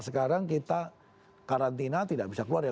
sekarang kita karantina tidak bisa keluar ya